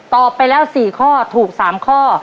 ไปแล้ว๔ข้อถูก๓ข้อ